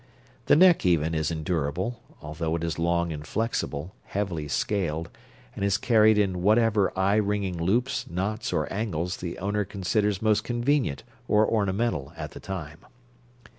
The neck, even, is endurable, although it is long and flexible, heavily scaled, and is carried in whatever eye wringing loops, knots, or angles the owner considers most convenient or ornamental at the time.